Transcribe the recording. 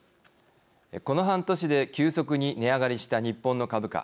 この半年で急速に値上がりした日本の株価。